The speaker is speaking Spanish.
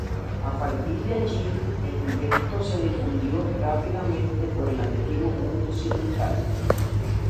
A partir de allí, el invento se difundió rápidamente por el antiguo mundo Occidental.